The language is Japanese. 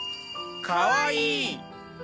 かわいい！